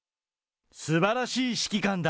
すばらしい指揮官だ。